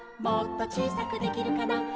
「もっとちいさくできるかな」